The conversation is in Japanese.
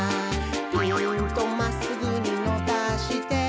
「ピーンとまっすぐにのばして」